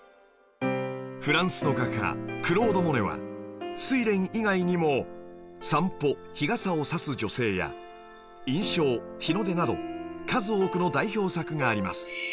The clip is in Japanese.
フランスの画家クロード・モネは『睡蓮』以外にも『散歩、日傘をさす女性』や『印象・日の出』など数多くの代表作があります